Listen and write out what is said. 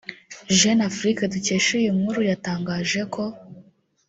Jeune Afrique dukesha iyi nkuru yatangaje ko